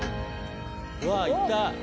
うわ行った。